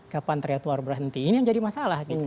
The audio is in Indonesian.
kapan trade war berhenti ini yang jadi masalah